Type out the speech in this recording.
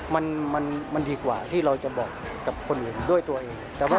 มันดีกว่าที่เราจะบอกกับคนอื่นด้วยตัวเอง